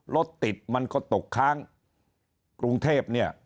รถติดมันก็ตกค้างกรุงเทพเนี่ย